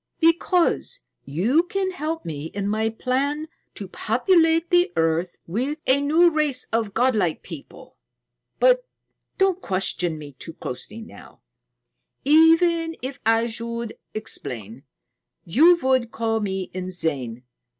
"Because you can help me in my plan to populate the earth with a new race of godlike people. But don't question me too closely now. Even if I should explain, you would call me insane.